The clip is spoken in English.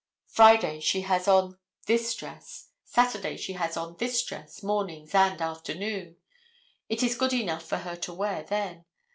Friday she has on this dress. Saturday she has on this dress, mornings and afternoon. It is good enough for her to wear then.